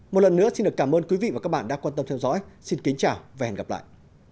một lần nữa xin được cảm ơn quý vị và các bạn đã quan tâm theo dõi xin kính chào và hẹn gặp lại